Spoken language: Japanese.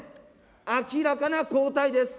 明らかな後退です。